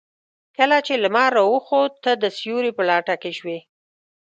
کله چې لمر راوخت تۀ د سيوري په لټه کې شوې.